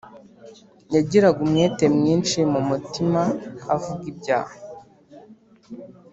Yagiraga umwete mwinshi mu mutima avuga ibya